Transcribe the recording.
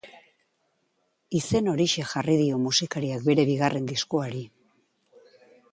Izen horixe jarri dio musikariak bere bigarren diskoari.